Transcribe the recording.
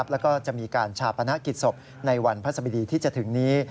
แล้วก็จะมีการชาปนกิจศพในวันพระสบดีที่จะถึงนี้